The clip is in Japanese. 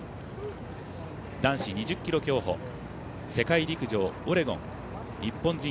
男子２０ｋｍ競歩世界陸上オレゴン日本人